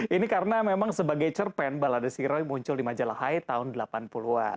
ini karena memang sebagai cerpen balada siroi muncul di majalah hai tahun delapan puluh an